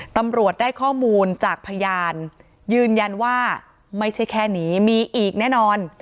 ตำรวจได้ข้อมูลจากพยานยืนยันว่าไม่ใช่แค่นี้มีอีกแน่นอน